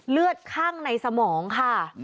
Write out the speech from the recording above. เลือดคั่งในสมองค่ะ